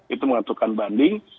itu mengaturkan banding